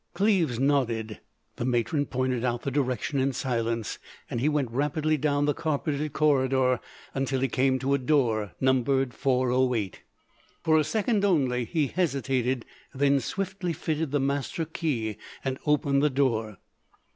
Cleves nodded; the matron pointed out the direction in silence, and he went rapidly down the carpeted corridor, until he came to a door numbered 408. For a second only he hesitated, then swiftly fitted the master key and opened the door.